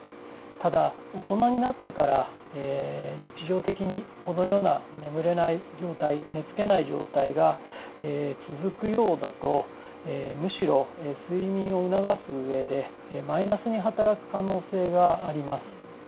ただ大人になってから日常的にこのような眠れない状態寝つけない状態が続くようだとむしろ睡眠を促す上でマイナスに働く可能性があります。